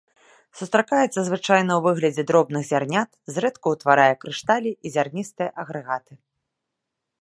Сустракаецца звычайна ў выглядзе дробных зярнят, зрэдку ўтварае крышталі і зярністыя агрэгаты.